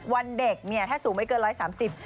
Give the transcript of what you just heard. วันเด็กเนี่ยถ้าสูงไม่เกิน๑๓๐บาท